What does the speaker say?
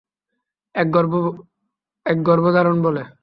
একে গর্ভধারণ বলে।